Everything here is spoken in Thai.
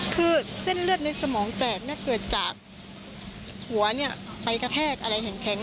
คือเส้นเลือดในสมองแตกเกิดจากหัวไปกระแทกอะไรแข็ง